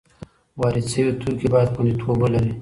وارد شوي توکي باید خوندیتوب ولري.